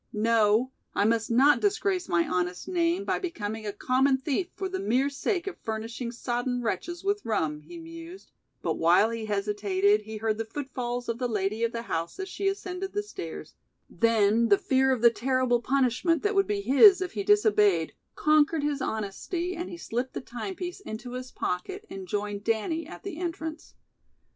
"No, I must not disgrace my honest name by becoming a common thief for the mere sake of furnishing sodden wretches with rum," he mused, but while he hesitated he heard the footfalls of the lady of the house as she ascended the stairs, then the fear of the terrible punishment that would be his if he disobeyed conquered his honesty and he slipped the time piece into his pocket and joined Danny at the entrance.